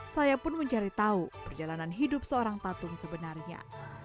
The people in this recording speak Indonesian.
saya pun mencari tahu perjalanan hidup seorang tatung sebenarnya